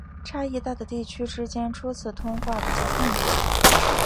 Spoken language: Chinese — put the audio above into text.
差异大的地区之间初次通话比较困难。